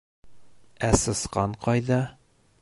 «Ә сысҡан ҡайҙа?»